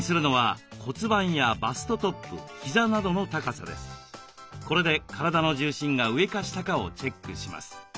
確認するのはこれで体の重心が上か下かをチェックします。